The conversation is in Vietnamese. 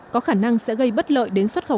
có khả năng sẽ gây bất lợi đến xuất khẩu